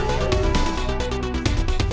aduh awas deh